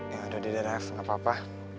ya udah deh reva gak apa apa